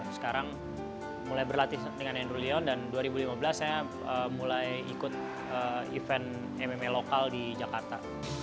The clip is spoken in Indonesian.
sekarang mulai berlatih dengan andrew leon dan dua ribu lima belas saya mulai ikut event mma lokal di jakarta